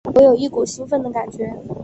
我有一股兴奋的感觉